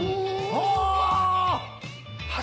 お！